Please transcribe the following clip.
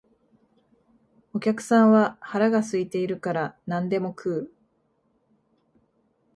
お客さんは腹が空いているから何でも食う